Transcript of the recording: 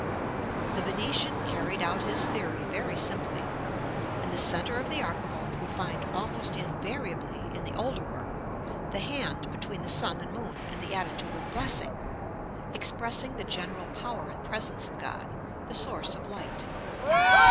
The Venetian carried out his theory very simply. In the centre of the archivolt we find almost invariably, in the older work, the hand between the sun and moon in the attitude of blessing, expressing the general power and presence of God, the source of light.